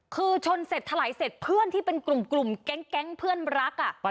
คือชนเสร็จถลายเสร็จเพื่อนที่เป็นกลุ่มแก๊งเพื่อนรัก